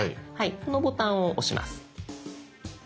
このボタンを押します。